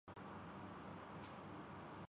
بڑے چھپے رستم ہو